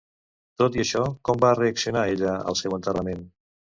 Tot i això, com va reaccionar ella al seu enterrament?